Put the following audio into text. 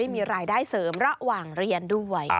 มีรายได้เสริมระหว่างเรียนด้วย